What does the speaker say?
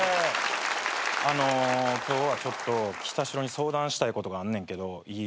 今日はちょっときたしろに相談したいことがあんねんけどいい？